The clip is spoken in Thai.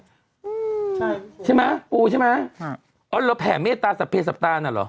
ใช่ใช่ไหมปูใช่ไหมแล้วแผ่เมตตาสับเพศสับตาน่ะหรอ